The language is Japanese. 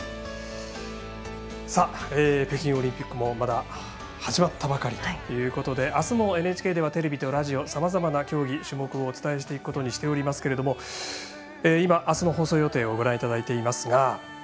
北京オリンピックもまだ始まったばかりということであすもＮＨＫではテレビとラジオさまざまな競技種目をお伝えしていくことにしていますけれどもあすの放送予定をご覧いただいていますが